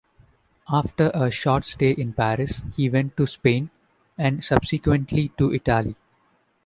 After a short stay in Paris he went to Spain, and subsequently to Italy.